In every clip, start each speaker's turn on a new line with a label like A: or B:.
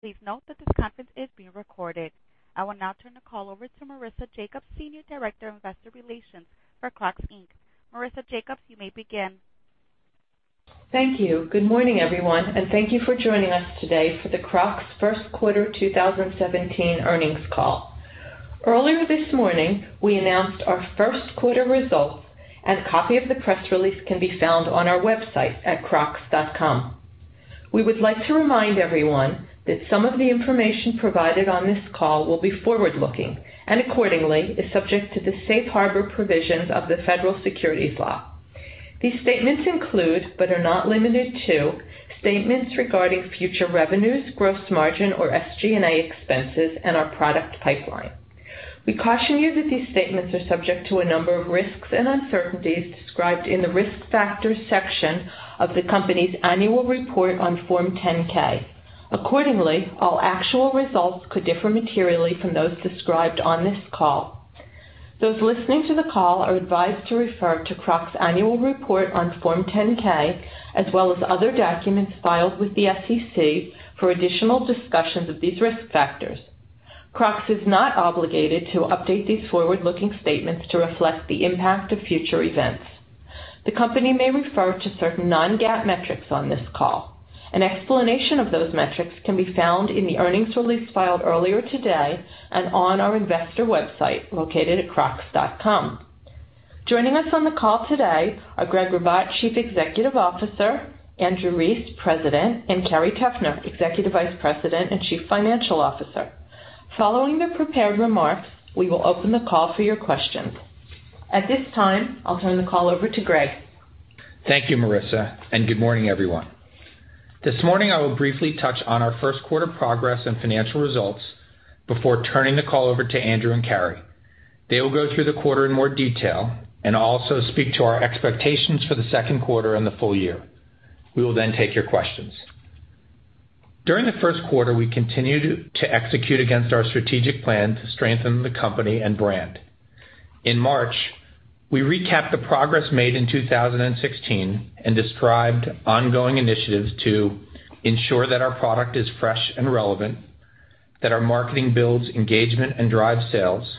A: Please note that this conference is being recorded. I will now turn the call over to Marisa Jacobs, Senior Director of Investor Relations for Crocs, Inc. Marisa Jacobs, you may begin.
B: Thank you. Good morning, everyone, and thank you for joining us today for the Crocs first quarter 2017 earnings call. Earlier this morning, we announced our first quarter results. A copy of the press release can be found on our website at crocs.com. We would like to remind everyone that some of the information provided on this call will be forward-looking and accordingly is subject to the safe harbor provisions of the Federal Securities Law. These statements include, but are not limited to, statements regarding future revenues, gross margin, or SG&A expenses and our product pipeline. We caution you that these statements are subject to a number of risks and uncertainties described in the Risk Factors section of the company's annual report on Form 10-K. All actual results could differ materially from those described on this call. Those listening to the call are advised to refer to Crocs' annual report on Form 10-K, as well as other documents filed with the SEC for additional discussions of these risk factors. Crocs is not obligated to update these forward-looking statements to reflect the impact of future events. The company may refer to certain non-GAAP metrics on this call. An explanation of those metrics can be found in the earnings release filed earlier today and on our investor website located at crocs.com. Joining us on the call today are Gregg Ribatt, Chief Executive Officer, Andrew Rees, President, and Carrie Teffner, Executive Vice President and Chief Financial Officer. Following the prepared remarks, we will open the call for your questions. At this time, I'll turn the call over to Gregg.
C: Thank you, Marisa. Good morning, everyone. This morning, I will briefly touch on our first quarter progress and financial results before turning the call over to Andrew and Carrie. They will go through the quarter in more detail and also speak to our expectations for the second quarter and the full year. We will take your questions. During the first quarter, we continued to execute against our strategic plan to strengthen the company and brand. In March, we recapped the progress made in 2016 and described ongoing initiatives to ensure that our product is fresh and relevant, that our marketing builds engagement and drives sales,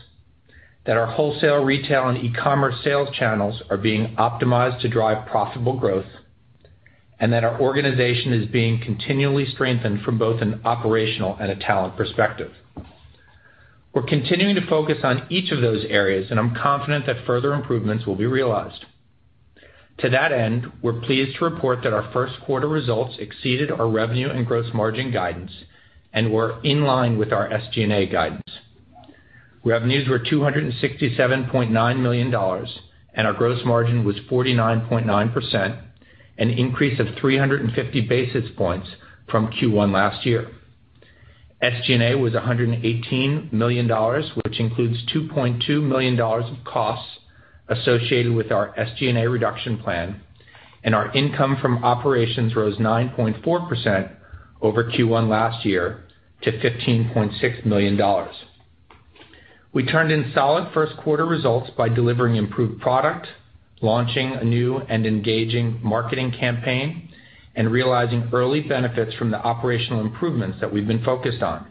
C: that our wholesale, retail, and e-commerce sales channels are being optimized to drive profitable growth, and that our organization is being continually strengthened from both an operational and a talent perspective. We're continuing to focus on each of those areas, I'm confident that further improvements will be realized. To that end, we're pleased to report that our first quarter results exceeded our revenue and gross margin guidance and were in line with our SG&A guidance. Revenues were $267.9 million, and our gross margin was 49.9%, an increase of 350 basis points from Q1 last year. SG&A was $118 million, which includes $2.2 million of costs associated with our SG&A reduction plan, and our income from operations rose 9.4% over Q1 last year to $15.6 million. We turned in solid first-quarter results by delivering improved product, launching a new and engaging marketing campaign, and realizing early benefits from the operational improvements that we've been focused on.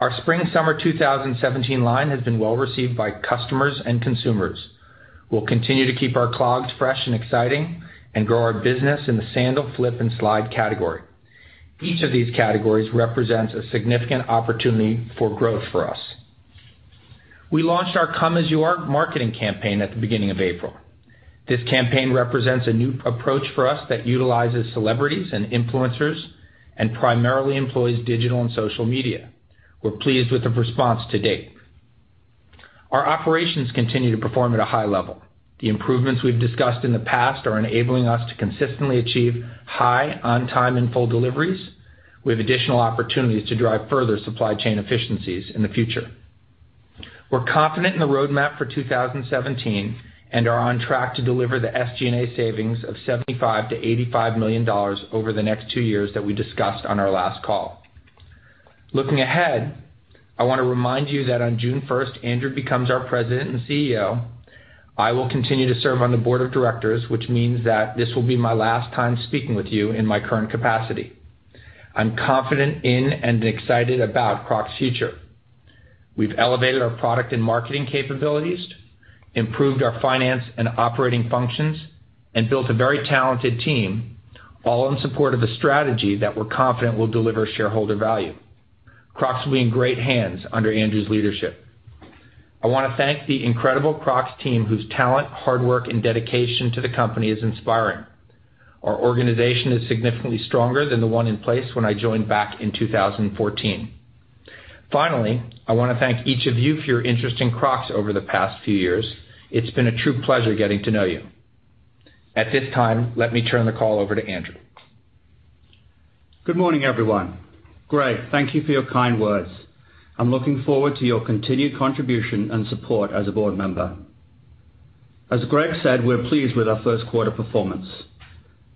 C: Our spring-summer 2017 line has been well-received by customers and consumers. We'll continue to keep our clogs fresh and exciting and grow our business in the sandal, flip, and slide category. Each of these categories represents a significant opportunity for growth for us. We launched our Come As You Are marketing campaign at the beginning of April. This campaign represents a new approach for us that utilizes celebrities and influencers and primarily employs digital and social media. We're pleased with the response to date. Our operations continue to perform at a high level. The improvements we've discussed in the past are enabling us to consistently achieve high on-time and full deliveries. We have additional opportunities to drive further supply chain efficiencies in the future. We're confident in the roadmap for 2017 and are on track to deliver the SG&A savings of $75 million-$85 million over the next two years that we discussed on our last call. Looking ahead, I want to remind you that on June 1st, Andrew becomes our President and CEO. I will continue to serve on the board of directors, which means that this will be my last time speaking with you in my current capacity. I'm confident in and excited about Crocs' future. We've elevated our product and marketing capabilities, improved our finance and operating functions, and built a very talented team, all in support of a strategy that we're confident will deliver shareholder value. Crocs will be in great hands under Andrew's leadership. I want to thank the incredible Crocs team whose talent, hard work, and dedication to the company is inspiring. Our organization is significantly stronger than the one in place when I joined back in 2014. Finally, I want to thank each of you for your interest in Crocs over the past few years. It's been a true pleasure getting to know you. At this time, let me turn the call over to Andrew.
D: Good morning, everyone. Gregg, thank you for your kind words. I'm looking forward to your continued contribution and support as a board member. As Gregg said, we're pleased with our first-quarter performance.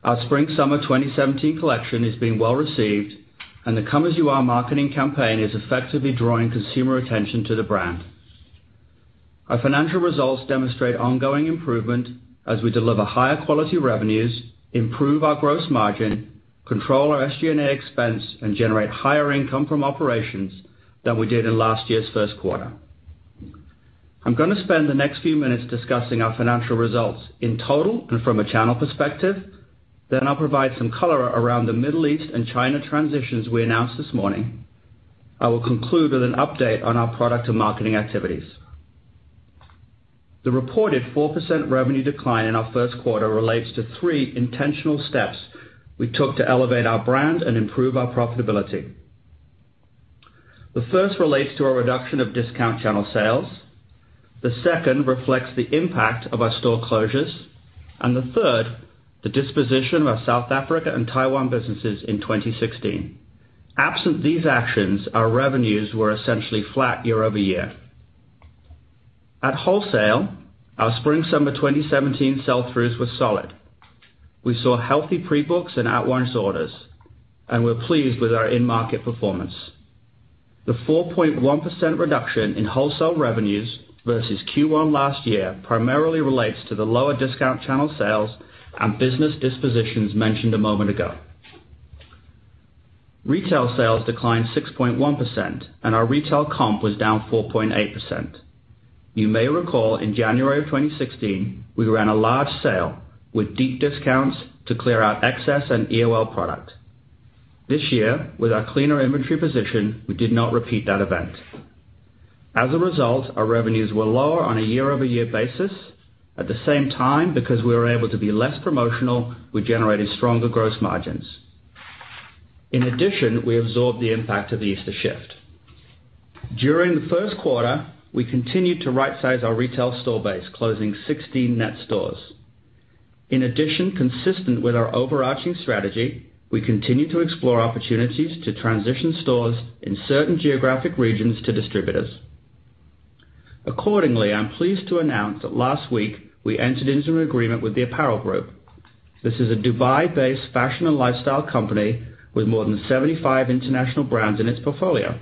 D: Our spring-summer 2017 collection is being well received, and the Come As You Are marketing campaign is effectively drawing consumer attention to the brand. Our financial results demonstrate ongoing improvement as we deliver higher quality revenues, improve our gross margin, control our SG&A expense, and generate higher income from operations than we did in last year's first quarter. I'm going to spend the next few minutes discussing our financial results in total and from a channel perspective, then I'll provide some color around the Middle East and China transitions we announced this morning. I will conclude with an update on our product and marketing activities. The reported 4% revenue decline in our first quarter relates to three intentional steps we took to elevate our brand and improve our profitability. The first relates to a reduction of discount channel sales. The second reflects the impact of our store closures. The third, the disposition of our South Africa and Taiwan businesses in 2016. Absent these actions, our revenues were essentially flat year-over-year. At wholesale, our spring/summer 2017 sell-throughs were solid. We saw healthy pre-books and at-once orders, and we're pleased with our in-market performance. The 4.1% reduction in wholesale revenues versus Q1 last year primarily relates to the lower discount channel sales and business dispositions mentioned a moment ago. Retail sales declined 6.1%, and our retail comp was down 4.8%. You may recall in January of 2016, we ran a large sale with deep discounts to clear out excess and EOL product. This year, with our cleaner inventory position, we did not repeat that event. As a result, our revenues were lower on a year-over-year basis. At the same time, because we were able to be less promotional, we generated stronger gross margins. In addition, we absorbed the impact of the Easter shift. During the first quarter, we continued to rightsize our retail store base, closing 16 net stores. In addition, consistent with our overarching strategy, we continue to explore opportunities to transition stores in certain geographic regions to distributors. Accordingly, I'm pleased to announce that last week we entered into an agreement with The Apparel Group. This is a Dubai-based fashion and lifestyle company with more than 75 international brands in its portfolio.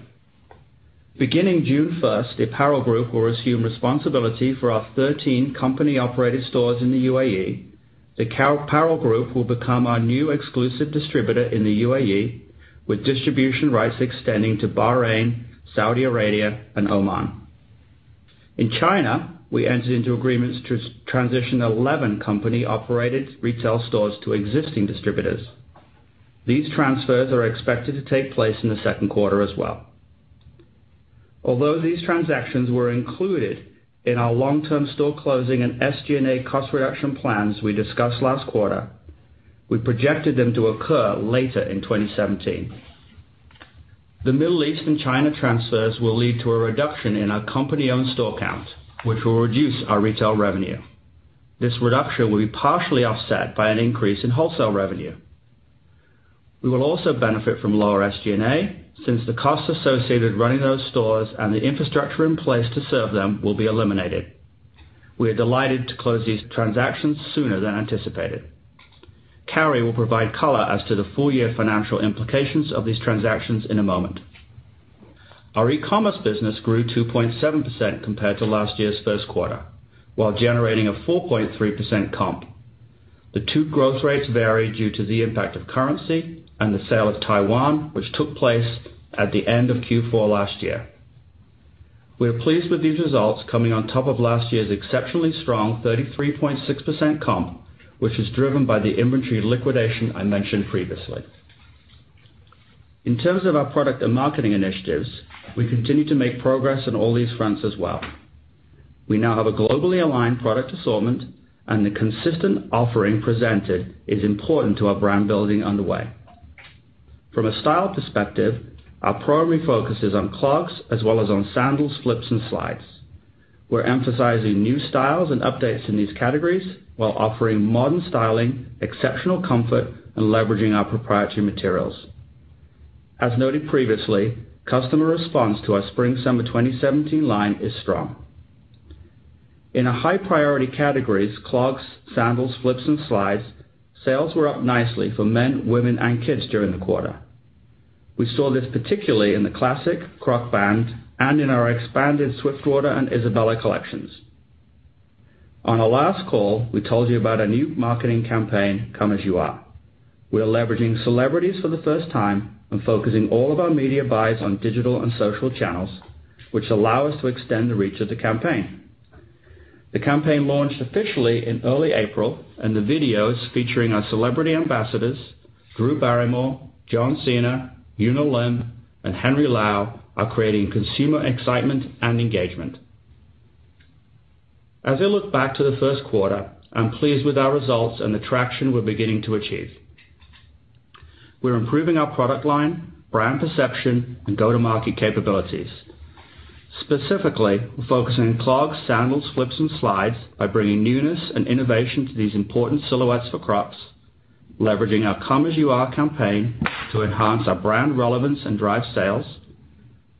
D: Beginning June 1st, The Apparel Group will assume responsibility for our 13 company-operated stores in the U.A.E. The Apparel Group will become our new exclusive distributor in the U.A.E., with distribution rights extending to Bahrain, Saudi Arabia, and Oman. In China, we entered into agreements to transition 11 company-operated retail stores to existing distributors. These transfers are expected to take place in the second quarter as well. Although these transactions were included in our long-term store closing and SG&A cost reduction plans we discussed last quarter, we projected them to occur later in 2017. The Middle East and China transfers will lead to a reduction in our company-owned store count, which will reduce our retail revenue. This reduction will be partially offset by an increase in wholesale revenue. We will also benefit from lower SG&A, since the costs associated running those stores and the infrastructure in place to serve them will be eliminated. We are delighted to close these transactions sooner than anticipated. Carrie Teffner will provide color as to the full-year financial implications of these transactions in a moment. Our e-commerce business grew 2.7% compared to last year's first quarter, while generating a 4.3% comp. The two growth rates vary due to the impact of currency and the sale of Taiwan, which took place at the end of Q4 last year. We are pleased with these results coming on top of last year's exceptionally strong 33.6% comp, which is driven by the inventory liquidation I mentioned previously. In terms of our product and marketing initiatives, we continue to make progress on all these fronts as well. We now have a globally aligned product assortment, and the consistent offering presented is important to our brand building underway. From a style perspective, our primary focus is on clogs as well as on sandals, flips, and slides. We're emphasizing new styles and updates in these categories while offering modern styling, exceptional comfort, and leveraging our proprietary materials. As noted previously, customer response to our spring/summer 2017 line is strong. In our high-priority categories, clogs, sandals, flips, and slides, sales were up nicely for men, women, and kids during the quarter. We saw this particularly in the Classic Crocband and in our expanded Swiftwater and Isabella collections. On our last call, we told you about our new marketing campaign, Come As You Are. We are leveraging celebrities for the first time and focusing all of our media buys on digital and social channels, which allow us to extend the reach of the campaign. The campaign launched officially in early April, and the videos featuring our celebrity ambassadors, Drew Barrymore, John Cena, Im Yoon-ah, and Henry Lau, are creating consumer excitement and engagement. As I look back to the first quarter, I'm pleased with our results and the traction we're beginning to achieve. We're improving our product line, brand perception, and go-to-market capabilities. Specifically, we're focusing on clogs, sandals, flips, and slides by bringing newness and innovation to these important silhouettes for Crocs. Leveraging our Come As You Are campaign to enhance our brand relevance and drive sales.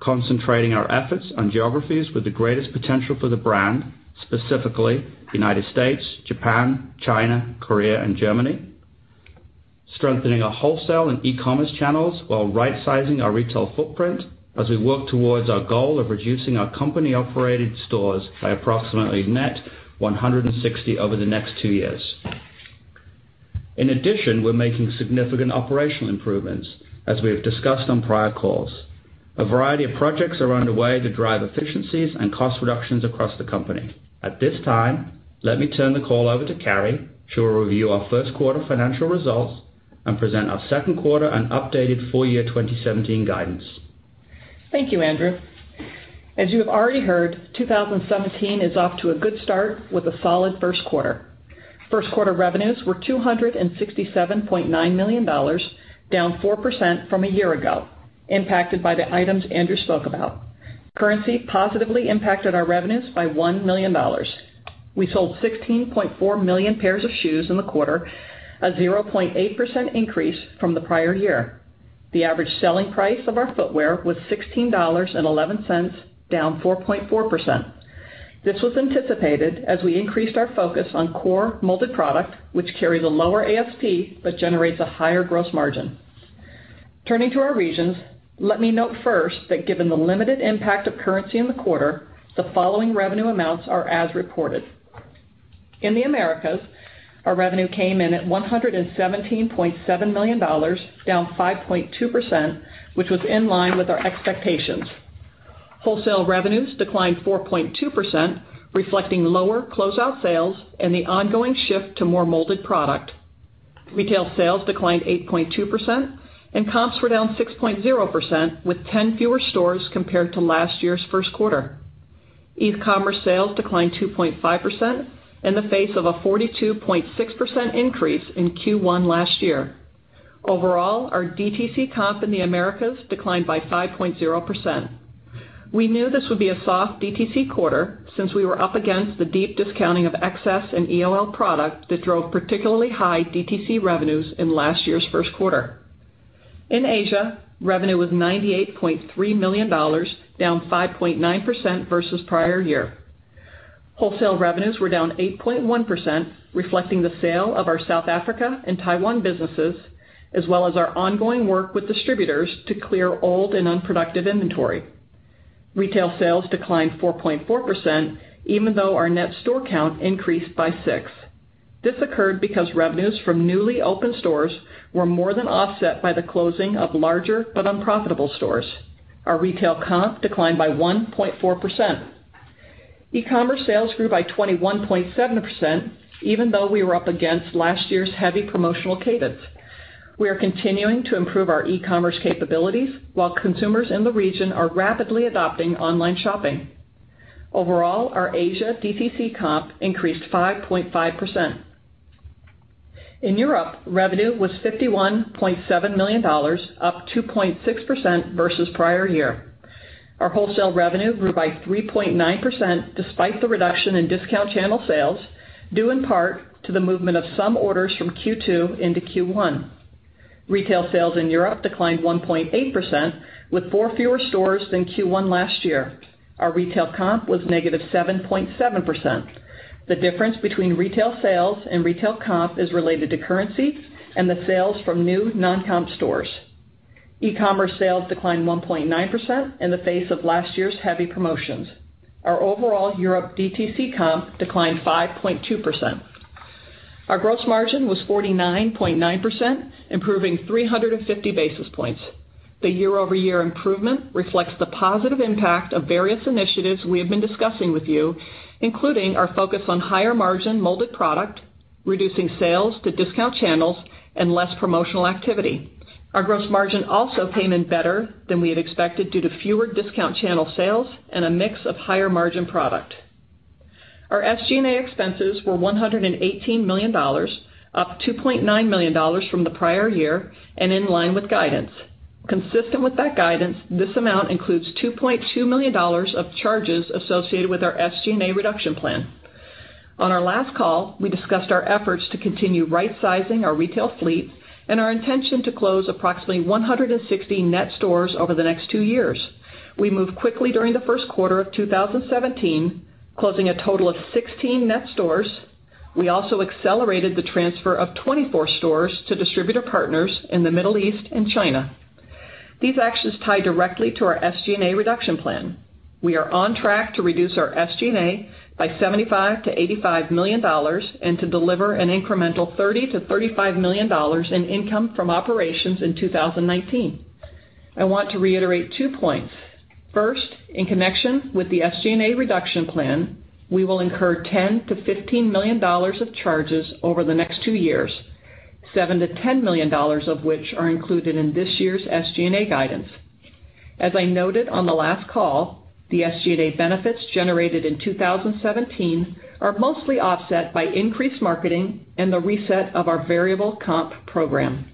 D: Concentrating our efforts on geographies with the greatest potential for the brand, specifically United States, Japan, China, Korea, and Germany. Strengthening our wholesale and e-commerce channels while rightsizing our retail footprint as we work towards our goal of reducing our company-operated stores by approximately net 160 over the next two years. In addition, we're making significant operational improvements, as we have discussed on prior calls. A variety of projects are underway to drive efficiencies and cost reductions across the company. At this time, let me turn the call over to Carrie Teffner. She will review our first quarter financial results and present our second quarter and updated full year 2017 guidance.
E: Thank you, Andrew. As you have already heard, 2017 is off to a good start with a solid first quarter. First quarter revenues were $267.9 million, down 4% from a year ago, impacted by the items Andrew spoke about. Currency positively impacted our revenues by $1 million. We sold 16.4 million pairs of shoes in the quarter, a 0.8% increase from the prior year. The average selling price of our footwear was $16.11, down 4.4%. This was anticipated as we increased our focus on core molded product, which carries a lower ASP but generates a higher gross margin. Turning to our regions, let me note first that given the limited impact of currency in the quarter, the following revenue amounts are as reported. In the Americas, our revenue came in at $117.7 million, down 5.2%, which was in line with our expectations. Wholesale revenues declined 4.2%, reflecting lower closeout sales and the ongoing shift to more molded product. Retail sales declined 8.2%, and comps were down 6.0% with 10 fewer stores compared to last year's first quarter. E-commerce sales declined 2.5% in the face of a 42.6% increase in Q1 last year. Overall, our DTC comp in the Americas declined by 5.0%. We knew this would be a soft DTC quarter since we were up against the deep discounting of excess and EOL product that drove particularly high DTC revenues in last year's first quarter. In Asia, revenue was $98.3 million, down 5.9% versus prior year. Wholesale revenues were down 8.1%, reflecting the sale of our South Africa and Taiwan businesses, as well as our ongoing work with distributors to clear old and unproductive inventory. Retail sales declined 4.4%, even though our net store count increased by six. This occurred because revenues from newly open stores were more than offset by the closing of larger but unprofitable stores. Our retail comp declined by 1.4%. E-commerce sales grew by 21.7%, even though we were up against last year's heavy promotional cadence. We are continuing to improve our e-commerce capabilities while consumers in the region are rapidly adopting online shopping. Overall, our Asia DTC comp increased 5.5%. In Europe, revenue was $51.7 million, up 2.6% versus prior year. Our wholesale revenue grew by 3.9%, despite the reduction in discount channel sales, due in part to the movement of some orders from Q2 into Q1. Retail sales in Europe declined 1.8%, with four fewer stores than Q1 last year. Our retail comp was negative 7.7%. The difference between retail sales and retail comp is related to currency and the sales from new non-comp stores. E-commerce sales declined 1.9% in the face of last year's heavy promotions. Our overall Europe DTC comp declined 5.2%. Our gross margin was 49.9%, improving 350 basis points. The year-over-year improvement reflects the positive impact of various initiatives we have been discussing with you, including our focus on higher margin molded product, reducing sales to discount channels, and less promotional activity. Our gross margin also came in better than we had expected due to fewer discount channel sales and a mix of higher margin product. Our SG&A expenses were $118 million, up $2.9 million from the prior year and in line with guidance. Consistent with that guidance, this amount includes $2.2 million of charges associated with our SG&A reduction plan. On our last call, we discussed our efforts to continue rightsizing our retail fleet and our intention to close approximately 160 net stores over the next two years. We moved quickly during Q1 2017, closing a total of 16 net stores. We also accelerated the transfer of 24 stores to distributor partners in the Middle East and China. These actions tie directly to our SG&A reduction plan. We are on track to reduce our SG&A by $75 million-$85 million and to deliver an incremental $30 million-$35 million in income from operations in 2019. I want to reiterate two points. First, in connection with the SG&A reduction plan, we will incur $10 million-$15 million of charges over the next two years, $7 million-$10 million of which are included in this year's SG&A guidance. As I noted on the last call, the SG&A benefits generated in 2017 are mostly offset by increased marketing and the reset of our variable comp program.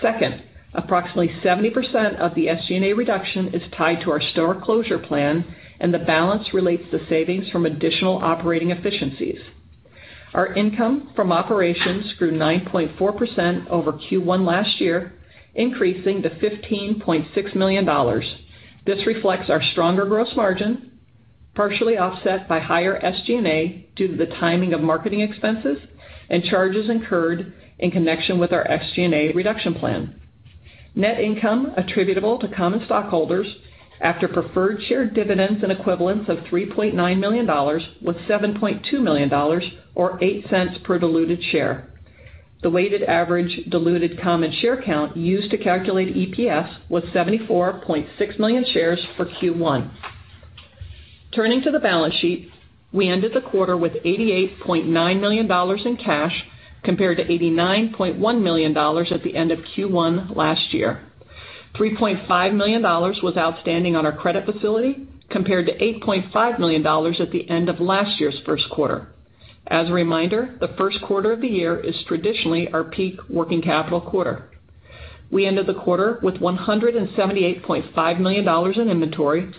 E: Second, approximately 70% of the SG&A reduction is tied to our store closure plan, and the balance relates to savings from additional operating efficiencies. Our income from operations grew 9.4% over Q1 last year, increasing to $15.6 million. This reflects our stronger gross margin partially offset by higher SG&A due to the timing of marketing expenses and charges incurred in connection with our SG&A reduction plan. Net income attributable to common stockholders after preferred share dividends and equivalents of $3.9 million was $7.2 million, or $0.08 per diluted share. The weighted average diluted common share count used to calculate EPS was 74.6 million shares for Q1. Turning to the balance sheet, we ended the quarter with $88.9 million in cash, compared to $89.1 million at the end of Q1 last year. $3.5 million was outstanding on our credit facility, compared to $8.5 million at the end of last year's first quarter. As a reminder, the first quarter of the year is traditionally our peak working capital quarter. We ended the quarter with $178.5 million in inventory,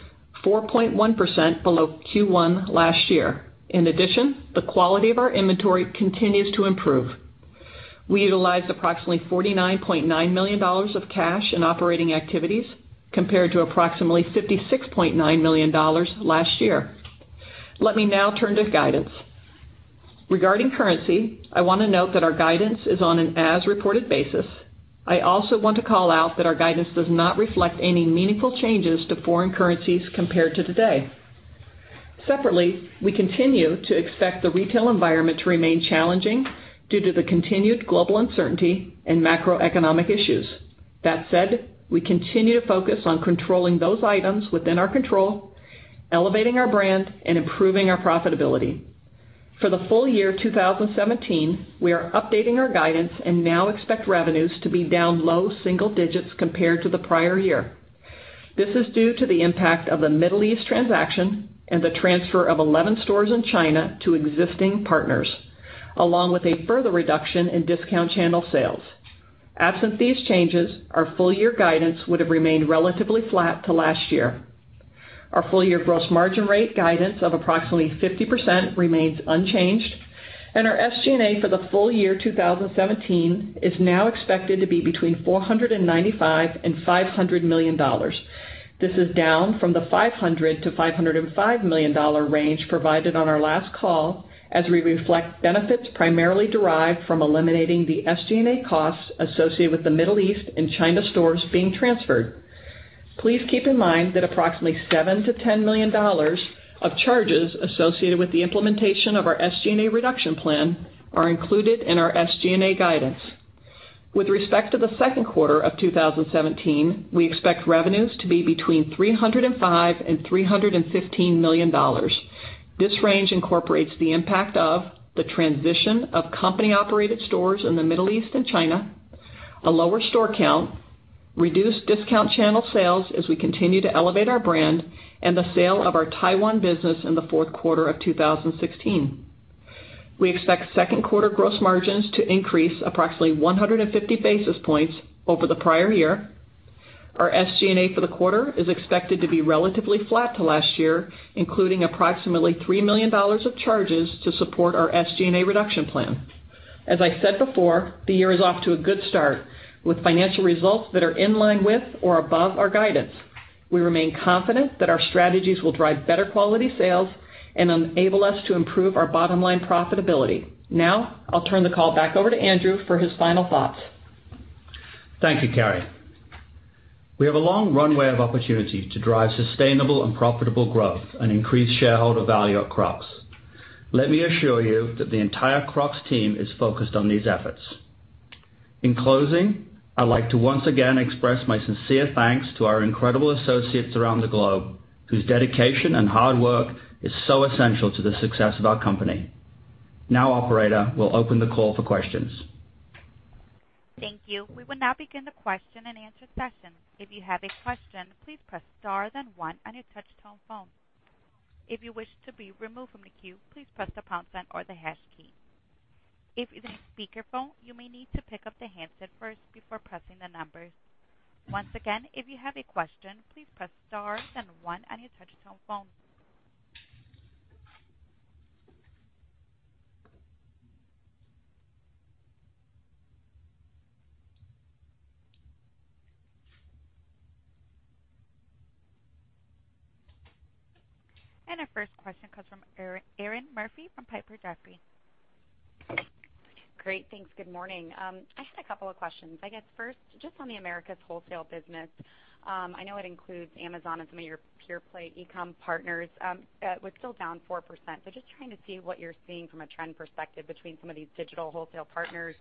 E: 4.1% below Q1 last year. In addition, the quality of our inventory continues to improve. We utilized approximately $49.9 million of cash in operating activities compared to approximately $56.9 million last year. Let me now turn to guidance. Regarding currency, I want to note that our guidance is on an as-reported basis. I also want to call out that our guidance does not reflect any meaningful changes to foreign currencies compared to today. Separately, we continue to expect the retail environment to remain challenging due to the continued global uncertainty and macroeconomic issues. That said, we continue to focus on controlling those items within our control, elevating our brand, and improving our profitability. For the full year 2017, we are updating our guidance and now expect revenues to be down low single digits compared to the prior year. This is due to the impact of the Middle East transaction and the transfer of 11 stores in China to existing partners, along with a further reduction in discount channel sales. Absent these changes, our full-year guidance would have remained relatively flat to last year. Our full-year gross margin rate guidance of approximately 50% remains unchanged, and our SG&A for the full year 2017 is now expected to be between $495 million and $500 million. This is down from the $500 million-$505 million range provided on our last call as we reflect benefits primarily derived from eliminating the SG&A costs associated with the Middle East and China stores being transferred. Please keep in mind that approximately $7 million-$10 million of charges associated with the implementation of our SG&A reduction plan are included in our SG&A guidance. With respect to the second quarter of 2017, we expect revenues to be between $305 million and $315 million. This range incorporates the impact of the transition of company-operated stores in the Middle East and China, a lower store count, reduced discount channel sales as we continue to elevate our brand, and the sale of our Taiwan business in the fourth quarter of 2016. We expect second quarter gross margins to increase approximately 150 basis points over the prior year. Our SG&A for the quarter is expected to be relatively flat to last year, including approximately $3 million of charges to support our SG&A reduction plan. As I said before, the year is off to a good start with financial results that are in line with or above our guidance. We remain confident that our strategies will drive better quality sales and enable us to improve our bottom-line profitability. Now, I'll turn the call back over to Andrew for his final thoughts.
D: Thank you, Carrie. We have a long runway of opportunity to drive sustainable and profitable growth and increase shareholder value at Crocs. Let me assure you that the entire Crocs team is focused on these efforts. In closing, I'd like to once again express my sincere thanks to our incredible associates around the globe, whose dedication and hard work is so essential to the success of our company. Now, operator, we'll open the call for questions.
A: Thank you. We will now begin the question-and-answer session. If you have a question, please press star, then one on your touch-tone phone. If you wish to be removed from the queue, please press the pound sign or the hash key. If you're on speakerphone, you may need to pick up the handset first before pressing the numbers. Once again, if you have a question, please press star, then one on your touch-tone phone. Our first question comes from Erinn Murphy from Piper Sandler.
F: Great. Thanks. Good morning. I had a couple of questions. I guess first, just on the Americas wholesale business. I know it includes Amazon and some of your pure-play e-com partners. Was still down 4%. Just trying to see what you're seeing from a trend perspective between some of these digital wholesale partners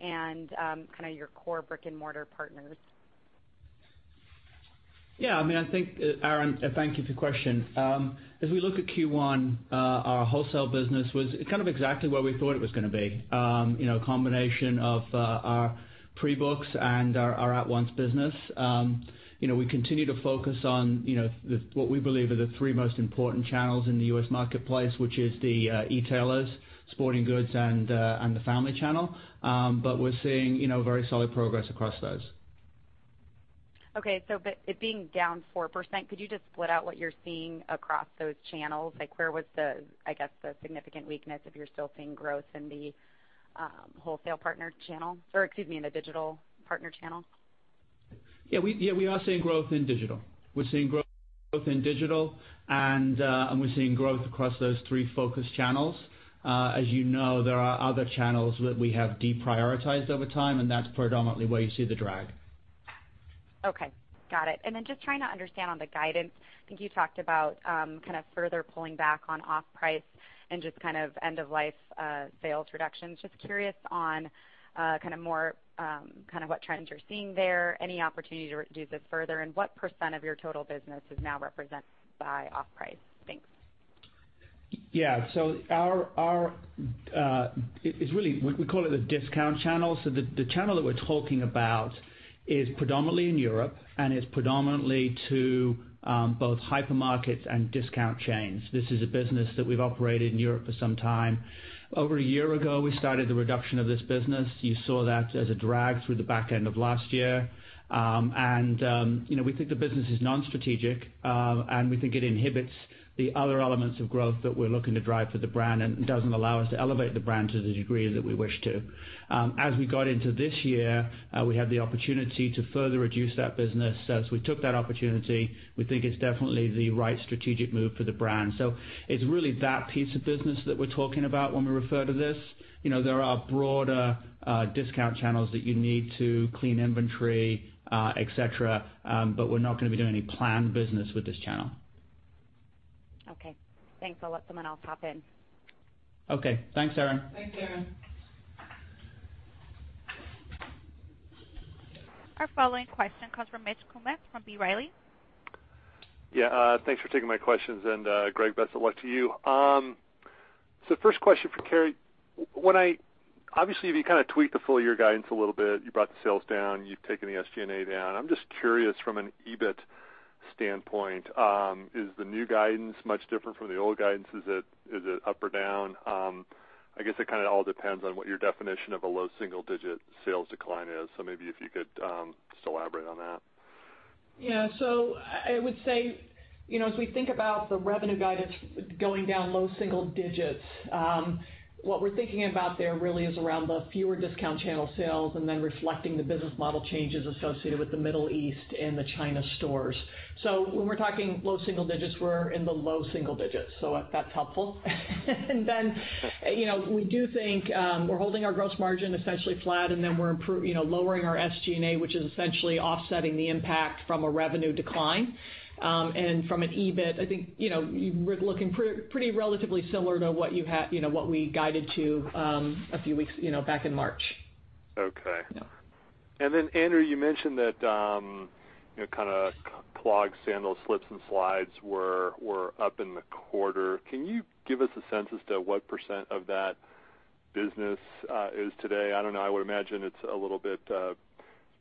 F: and kind of your core brick-and-mortar partners.
D: Yeah. Erinn, thank you for the question. As we look at Q1, our wholesale business was kind of exactly where we thought it was going to be. A combination of our pre-books and our at-once business. We continue to focus on what we believe are the three most important channels in the U.S. marketplace, which is the e-tailers, sporting goods, and the family channel. We're seeing very solid progress across those.
F: Okay. It being down 4%, could you just split out what you're seeing across those channels? Where was the significant weakness if you're still seeing growth in the wholesale partner channel, or excuse me, in the digital partner channel?
D: Yeah, we are seeing growth in digital. We're seeing growth in digital, and we're seeing growth across those three focus channels. As you know, there are other channels that we have deprioritized over time, and that's predominantly where you see the drag.
F: Okay. Got it. Just trying to understand on the guidance, I think you talked about further pulling back on off-price and just end-of-life sales reductions. Just curious on what trends you're seeing there, any opportunity to reduce it further, and what percent of your total business is now represented by off-price? Thanks.
D: Yeah. We call it the discount channel. The channel that we're talking about is predominantly in Europe and is predominantly to both hypermarkets and discount chains. This is a business that we've operated in Europe for some time. Over a year ago, we started the reduction of this business. You saw that as a drag through the back end of last year. We think the business is non-strategic, and we think it inhibits the other elements of growth that we're looking to drive for the brand and doesn't allow us to elevate the brand to the degree that we wish to. As we got into this year, we had the opportunity to further reduce that business. As we took that opportunity, we think it's definitely the right strategic move for the brand. It's really that piece of business that we're talking about when we refer to this. There are broader discount channels that you need to clean inventory, et cetera. We're not going to be doing any planned business with this channel.
F: Okay. Thanks, I'll let someone else hop in.
D: Okay. Thanks, Erinn.
E: Thanks, Erinn.
A: Our following question comes from Mitch Kummetz from B. Riley.
G: Thanks for taking my questions. Gregg, best of luck to you. First question for Carrie. Obviously, if you kind of tweaked the full year guidance a little bit, you brought the sales down, you've taken the SG&A down. I'm just curious from an EBIT standpoint, is the new guidance much different from the old guidance? Is it up or down? I guess it all depends on what your definition of a low single-digit sales decline is. Maybe if you could just elaborate on that.
E: Yeah. I would say, as we think about the revenue guidance going down low single digits, what we're thinking about there really is around the fewer discount channel sales and then reflecting the business model changes associated with the Middle East and the China stores. When we're talking low single digits, we're in the low single digits. If that's helpful. We do think we're holding our gross margin essentially flat, and then we're lowering our SG&A, which is essentially offsetting the impact from a revenue decline. From an EBIT, I think, we're looking pretty relatively similar to what we guided to a few weeks back in March.
G: Okay.
E: Yeah.
G: Andrew, you mentioned that clog, sandals, slips, and slides were up in the quarter. Can you give us a sense as to what percent of that business is today? I don't know. I would imagine it's a little bit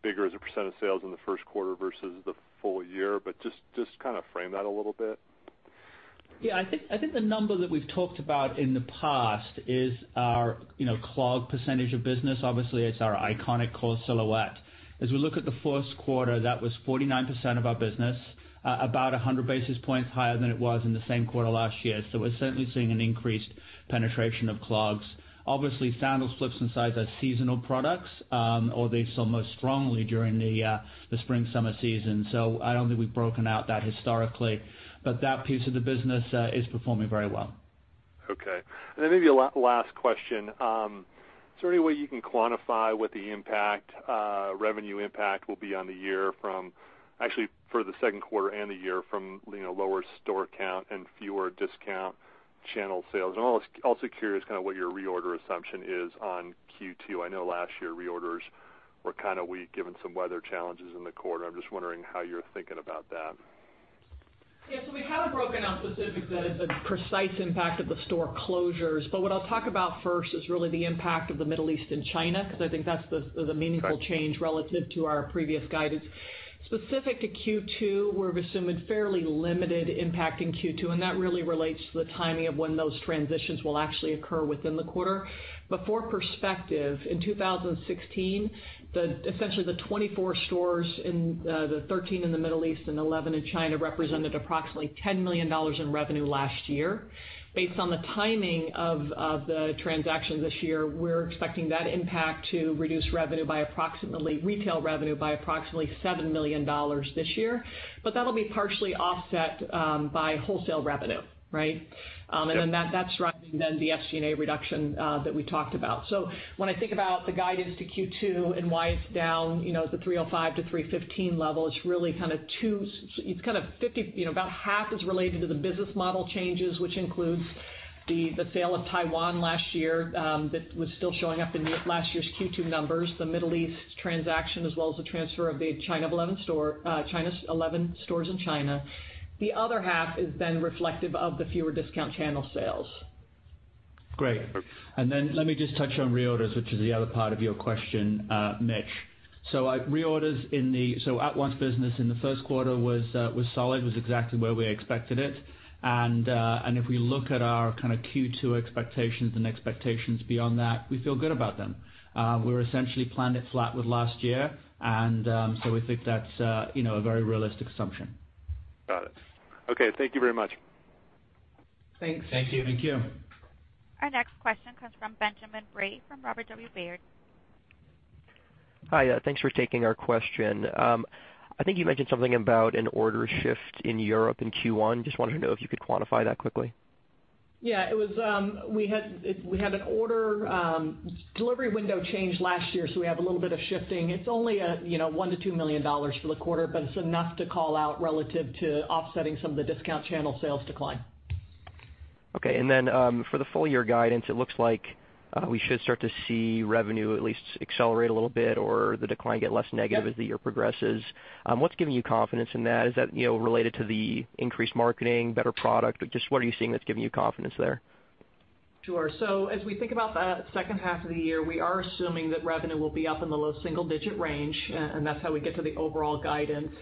G: bigger as a percent of sales in the first quarter versus the full year, but just frame that a little bit.
D: Yeah, I think the number that we've talked about in the past is our clog percentage of business. Obviously, it's our iconic core silhouette. As we look at the first quarter, that was 49% of our business, about 100 basis points higher than it was in the same quarter last year. We're certainly seeing an increased penetration of clogs. Obviously, sandals, flips, and slides are seasonal products. All these sell most strongly during the spring, summer season. I don't think we've broken out that historically, but that piece of the business is performing very well.
G: Okay. Maybe a last question. Is there any way you can quantify what the revenue impact will be on the year from, actually for the second quarter and the year from lower store count and fewer discount channel sales? Also curious what your reorder assumption is on Q2. I know last year reorders were kind of weak given some weather challenges in the quarter. I'm just wondering how you're thinking about that.
E: Yeah. We haven't broken out specific to the precise impact of the store closures. What I'll talk about first is really the impact of the Middle East and China, because I think that's the meaningful change relative to our previous guidance. Specific to Q2, we're assuming fairly limited impact in Q2, and that really relates to the timing of when those transitions will actually occur within the quarter. For perspective, in 2016, essentially the 24 stores, the 13 in the Middle East and 11 in China, represented approximately $10 million in revenue last year. Based on the timing of the transaction this year, we're expecting that impact to reduce retail revenue by approximately $7 million this year. That'll be partially offset by wholesale revenue, right?
G: Yeah.
E: That's driving then the SG&A reduction that we talked about. When I think about the guidance to Q2 and why it's down at the 305 to 315 level, about half is related to the business model changes, which includes the sale of Taiwan last year, that was still showing up in last year's Q2 numbers, the Middle East transaction, as well as the transfer of the China's 11 stores in China. The other half is then reflective of the fewer discount channel sales.
D: Great. Let me just touch on reorders, which is the other part of your question, Mitch. At Once Business in the first quarter was solid, was exactly where we expected it. If we look at our Q2 expectations and expectations beyond that, we feel good about them. We're essentially planned it flat with last year, we think that's a very realistic assumption.
G: Got it. Okay. Thank you very much.
E: Thanks.
D: Thank you.
G: Thank you.
A: Our next question comes from Benjamin Bray from Robert W. Baird.
H: Hi, thanks for taking our question. I think you mentioned something about an order shift in Europe in Q1. Just wanted to know if you could quantify that quickly.
E: Yeah. We had an order delivery window change last year, so we have a little bit of shifting. It's only $1 million-$2 million for the quarter, but it's enough to call out relative to offsetting some of the discount channel sales decline.
H: Okay. For the full year guidance, it looks like we should start to see revenue at least accelerate a little bit or the decline get less negative as the year progresses. What's giving you confidence in that? Is that related to the increased marketing, better product? Just what are you seeing that's giving you confidence there?
E: Sure. As we think about the second half of the year, we are assuming that revenue will be up in the low single-digit range, and that's how we get to the overall guidance.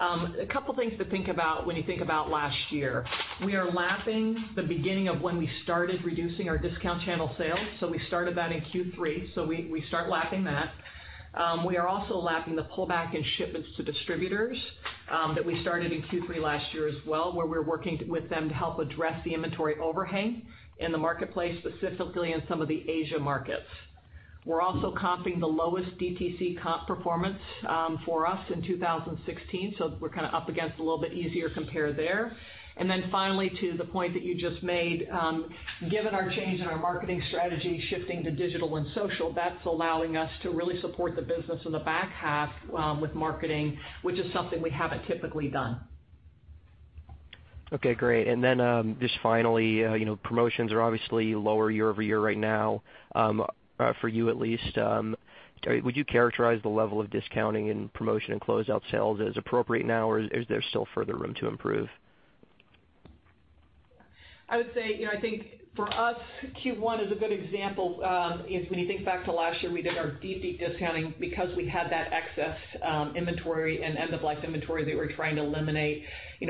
E: A couple things to think about when you think about last year. We are lapping the beginning of when we started reducing our discount channel sales. We started that in Q3, we start lapping that. We are also lapping the pullback in shipments to distributors that we started in Q3 last year as well, where we're working with them to help address the inventory overhang in the marketplace, specifically in some of the Asia markets. We are also comping the lowest DTC comp performance for us in 2016, so we're kind of up against a little bit easier compare there. Finally, to the point that you just made, given our change in our marketing strategy, shifting to digital and social, that's allowing us to really support the business in the back half with marketing, which is something we haven't typically done.
H: Okay, great. Just finally, promotions are obviously lower year-over-year right now, for you at least. Would you characterize the level of discounting and promotion and closeout sales as appropriate now, or is there still further room to improve?
E: I would say, I think for us, Q1 is a good example, is when you think back to last year, we did our deep, deep discounting because we had that excess inventory and end-of-life inventory that we're trying to eliminate.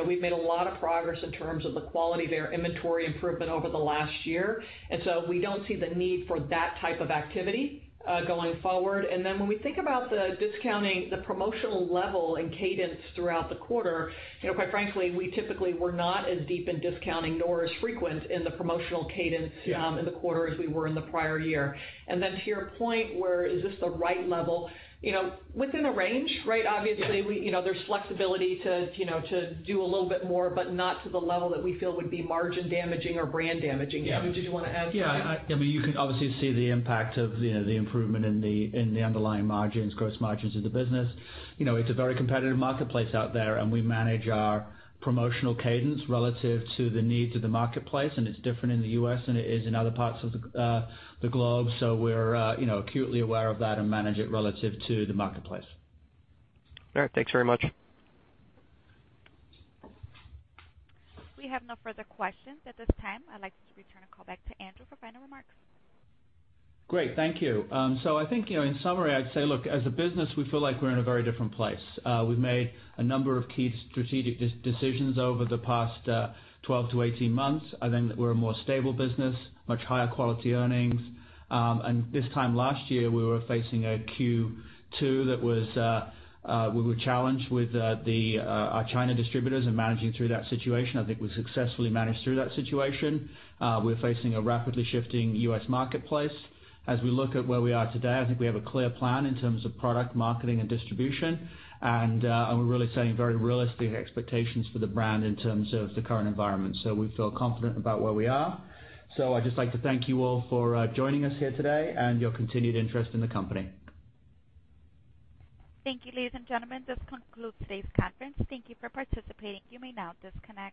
E: We've made a lot of progress in terms of the quality of our inventory improvement over the last year, so we don't see the need for that type of activity going forward. When we think about the discounting, the promotional level, and cadence throughout the quarter, quite frankly, we typically were not as deep in discounting nor as frequent in the promotional cadence in the quarter as we were in the prior year. To your point, where is this the right level? Within the range. Obviously, there's flexibility to do a little bit more, but not to the level that we feel would be margin damaging or brand damaging. Andrew, did you want to add something?
D: Yeah. You can obviously see the impact of the improvement in the underlying margins, gross margins of the business. It's a very competitive marketplace out there, we manage our promotional cadence relative to the needs of the marketplace, it's different in the U.S. than it is in other parts of the globe. We're acutely aware of that and manage it relative to the marketplace.
H: All right. Thanks very much.
A: We have no further questions at this time. I'd like to return the call back to Andrew for final remarks.
D: Great. Thank you. I think, in summary, I'd say, look, as a business, we feel like we're in a very different place. We've made a number of key strategic decisions over the past 12-18 months. I think that we're a more stable business, much higher quality earnings. This time last year, we were facing a Q2 that we were challenged with our China distributors and managing through that situation. I think we successfully managed through that situation. We're facing a rapidly shifting U.S. marketplace. As we look at where we are today, I think we have a clear plan in terms of product marketing and distribution, and we're really setting very realistic expectations for the brand in terms of the current environment. We feel confident about where we are. I'd just like to thank you all for joining us here today and your continued interest in the company.
A: Thank you, ladies and gentlemen. This concludes today's conference. Thank you for participating. You may now disconnect.